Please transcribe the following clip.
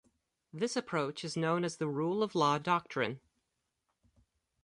This approach is known as the Rule of Law doctrine.